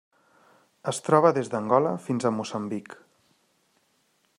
Es troba des d'Angola fins a Moçambic.